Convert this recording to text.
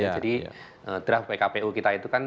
jadi draft pkpu kita itu kan